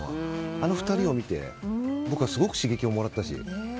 あの２人を見て僕はすごく刺激をもらったし。